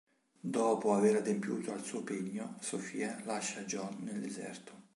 Dopo aver adempiuto al suo pegno, Sofia lascia John nel deserto.